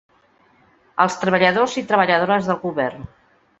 Als treballadors i treballadores del govern.